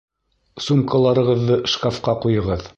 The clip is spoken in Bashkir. Сумкаларығыҙҙы шкафҡа ҡуйығыҙ.